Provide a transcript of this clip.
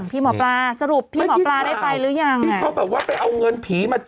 พี่หมอปลาสรุปพี่หมอปลาได้ไปหรือยังที่เขาแบบว่าไปเอาเงินผีมา